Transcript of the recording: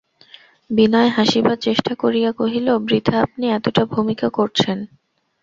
বিনয় হাসিবার চেষ্টা করিয়া কহিল, বৃথা আপনি এতটা ভূমিকা করছেন।